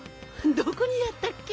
どこにやったっけ？